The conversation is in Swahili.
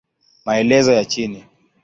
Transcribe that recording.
Maelezo ya chini